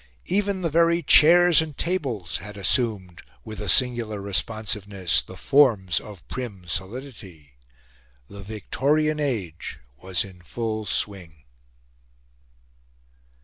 Even the very chairs and tables had assumed, with a singular responsiveness, the forms of prim solidity. The Victorian Age was in full swing.